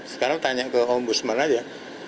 sekarang tanya ke ombusman saja